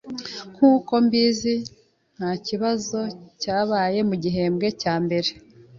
Nkuko mbizi, ntakibazo cyabaye mugihembwe cya mbere